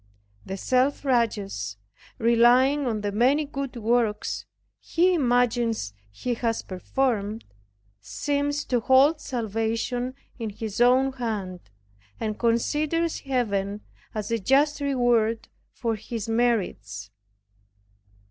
The self righteous, relying on the many good works he imagines he has performed, seems to hold salvation in his own hand, and considers Heaven as a just reward of his merits.